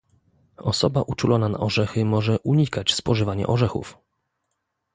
Osoba uczulona na orzechy może unikać spożywania orzechów